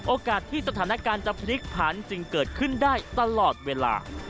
โอกาสที่สถานการณ์จะพลิกผันจึงเกิดขึ้นได้ตลอดเวลา